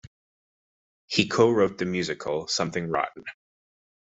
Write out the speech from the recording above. He co-wrote the musical Something Rotten!